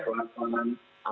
kemudian apa kita bersama